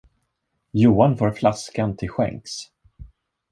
Johan får flaskan till skänks!